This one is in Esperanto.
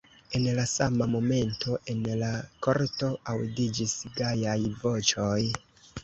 En la sama momento en la korto aŭdiĝis gajaj voĉoj.